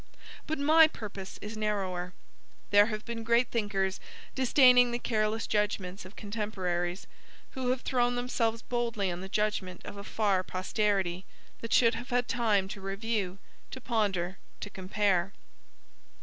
But my purpose is narrower. There have been great thinkers, disdaining the careless judgments of contemporaries, who have thrown themselves boldly on the judgment of a far posterity, that should have had time to review, to ponder, to compare.